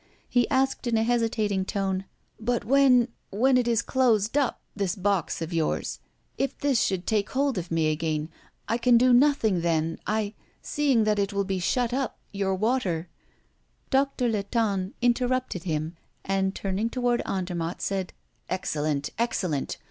He asked in a hesitating tone: "But when when it is closed up this box of yours if this should take hold of me again I can do nothing then I seeing that it will be shut up your water " Doctor Latonne interrupted him, and, turning toward Andermatt, said: "Excellent! excellent!